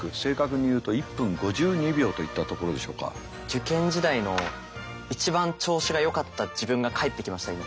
受験時代の一番調子がよかった自分が帰ってきました今。